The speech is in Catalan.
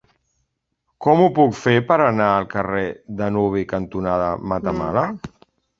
Com ho puc fer per anar al carrer Danubi cantonada Matamala?